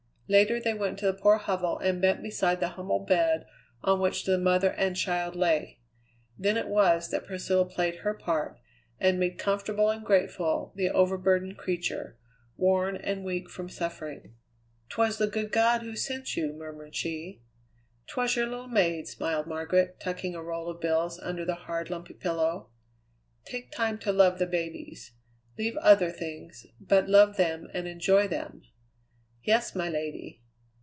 Later they went to the poor hovel and bent beside the humble bed on which the mother and child lay. Then it was that Priscilla played her part and made comfortable and grateful the overburdened creature, worn and weak from suffering. "'Twas the good God who sent you," murmured she. "'Twas your little maid," smiled Margaret, tucking a roll of bills under the hard, lumpy pillow. "Take time to love the babies leave other things but love them and enjoy them." "Yes, my lady."